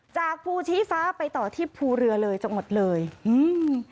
จากภูชีฟ้าไปต่อที่ภูเรือเลยจังหวัดเลยอืม